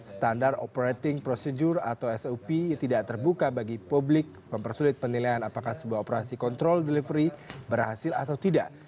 standar operating procedure atau sop tidak terbuka bagi publik mempersulit penilaian apakah sebuah operasi kontrol delivery berhasil atau tidak